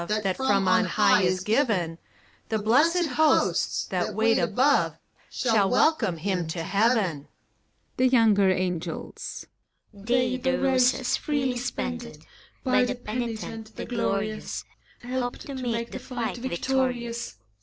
25a That from On High is given, The Blessed Hosts, that wait above, Shall welcome him to Heaven ! THE YOUNGER ANGELS. They, the roses, freely spended By tiie penitent, the glorious, Helped to make the fight victorious.